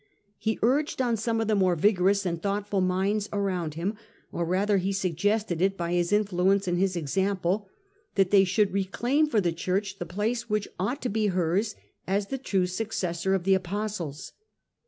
He urged on some of the more vigorous and thoughtful minds around him, or rather he suggested it by his influence and his example, that they should reclaim for the Church the place which ought to be hers, as the true successor of the Apostles.